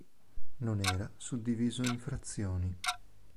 Non era suddiviso in frazioni.